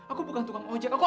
aku bukan tukang ojek